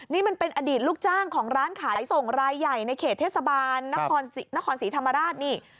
นี่มันเป็นอดีตลูกจ้างของร้านขายส่งรายใหญ่ในเขตเทศบาลนครศรีธรรมราชนี่